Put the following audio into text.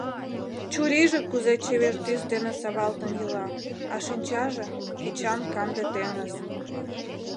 Чурийже кузе чевер тӱс дене савалтын йӱла, а шинчаже — кечан канде теҥыз.